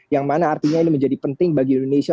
yang mana artinya ini menjadi penting bagi indonesia